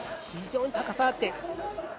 非常に高さがあって。